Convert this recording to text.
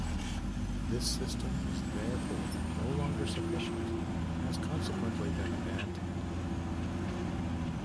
This system is therefore no longer sufficient and has consequently been abandoned.